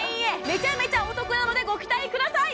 めちゃめちゃお得なのでご期待ください